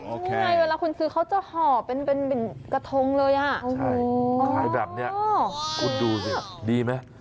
นี่ไงเวลาคุณซื้อเขาจะห่อเป็นกระทงเลยอ่ะขายแบบนี้คุณดูสิดีไหม